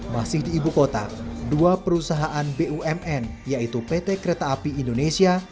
masih di ibu kota dua perusahaan bumn yaitu pt kereta api indonesia